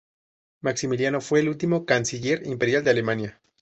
Maximiliano fue el último Canciller Imperial de Alemania.